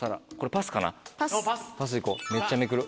パスでいこうめっちゃめくる。